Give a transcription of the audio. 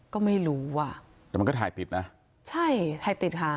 ก็ไม่รู้อ่ะแต่มันก็ถ่ายติดนะใช่ถ่ายติดค่ะ